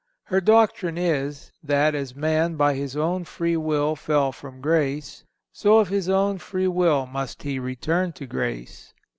Her doctrine is, that as man by his own free will fell from grace, so of his own free will must he return to grace.